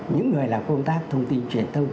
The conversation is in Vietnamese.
những người làm công tác thông tin truyền thông